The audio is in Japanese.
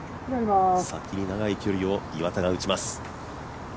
先に長い距離を岩田が打ちます。